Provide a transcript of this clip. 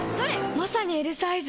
まさにＬサイズ！